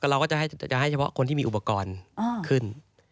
เราก็จะให้เฉพาะคนที่มีอุปกรณ์ขึ้น